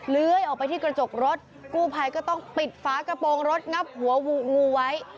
เลื้อยออกไปที่กระจกรถกู้ภัยก็ต้องปิดฝากระโปรงรถงับหัวงูไว้